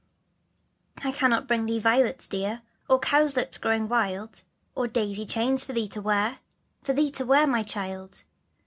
I cannot bring thee violets dear, Or cowslips growing wild, Or daisy chain for thee to wear, For thee to wear, my child.